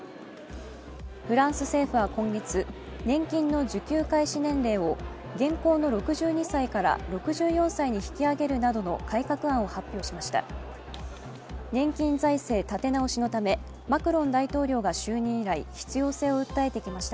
フランス政府は今月、年金の受給開始年齢を現行の６２歳から６４歳に引き上げるなどの改革案を発表しました。